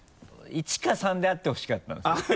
１か３であってほしかったんですよ。